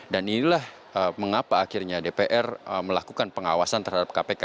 dan inilah mengapa akhirnya dpr melakukan pengawasan terhadap kpk